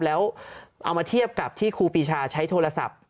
แล้วเอามาเทียบกับที่ครูปีชาใช้โทรศัพท์